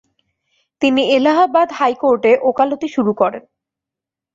তিনি এলাহাবাদ হাইকোর্টে ওকালতি শুরু অরেন।